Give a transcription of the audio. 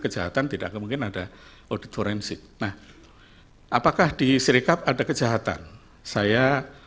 kejahatan tidak mungkin ada audit forensik nah apakah di serikat ada kejahatan saya